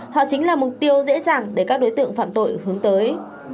họ chính là mục tiêu dễ dàng để các đối tượng phạm tội hướng tới